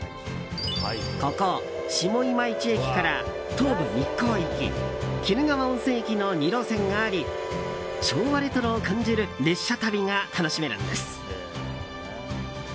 ここ下今市駅から東武日光行き鬼怒川温泉行きの２路線あり昭和レトロを感じる列車旅が楽しめるんです。